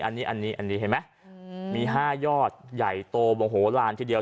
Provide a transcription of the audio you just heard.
อันนี้อันนี้เห็นไหมมี๕ยอดใหญ่โตโมโหลานทีเดียว